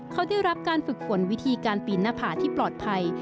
เขาได้รับการฝึกฝนวิธีการปีนหน้าผาที่ปลอดภัย